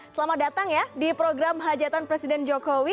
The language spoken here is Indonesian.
selamat datang ya di program hajatan presiden jokowi